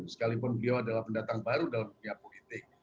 sekalipun beliau adalah pendatang baru dalam dunia politik